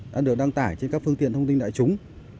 đã được đăng tải trên các phương tiện thông tin đại chúng